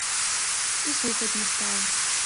І слухаць не стаў.